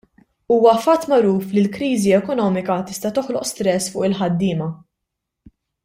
Huwa fatt magħruf li l-kriżi ekonomika tista' toħloq stress fuq il-ħaddiema.